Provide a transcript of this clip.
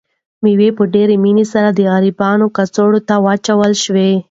مېوه په ډېرې مینې سره د غریبانو کڅوړو ته واچول شوه.